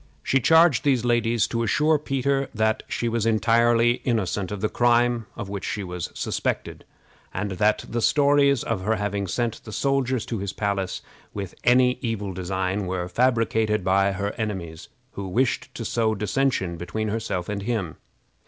She charged these ladies to assure Peter that she was entirely innocent of the crime of which she was suspected, and that the stories of her having sent the soldiers to his palace with any evil design were fabricated by her enemies, who wished to sow dissension between herself and him.